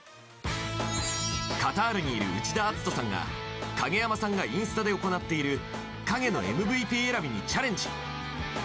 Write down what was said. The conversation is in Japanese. カタールにいる内田篤人さんが影山さんがインスタで行っている影のＭＶＰ選びにチャレンジ。